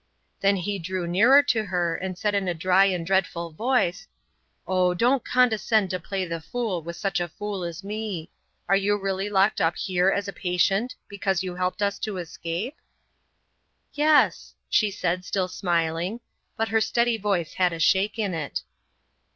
Then he drew nearer to her, and said in a dry and dreadful voice: "Oh, don't condescend to play the fool with such a fool as me. Are you really locked up here as a patient because you helped us to escape?" "Yes," she said, still smiling, but her steady voice had a shake in it.